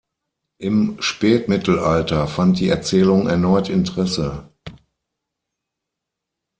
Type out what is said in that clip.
Im Spätmittelalter fand die Erzählung erneut Interesse.